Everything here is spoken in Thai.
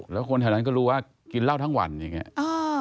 แล้วคนแถวนั้นก็รู้ว่ากินเหล้าทั้งวันอย่างนี้